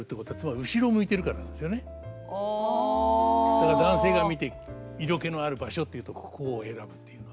だから男性が見て色気のある場所っていうとここを選ぶっていうのは。